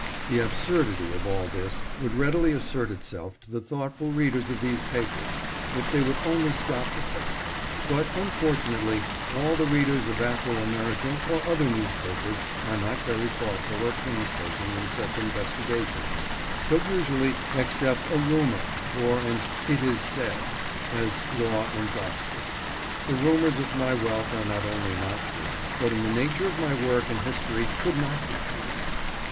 The absurdity of all this would readily assert itself to the thoughtful readers of these papers, if they would only stop to think ; but, unfortunately, all the readers of Afro American or other newspapers are not very thoughtful or painstaking in such investigations, but usually accept a " rumor " or an " It is said " as law and gospel. The rumors of my wealth are not only not true, but in the nature of my work and history could not be true.